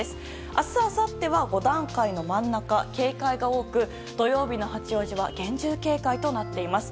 明日あさっては５段階の真ん中警戒が多く、土曜日の八王子は厳重警戒となっています。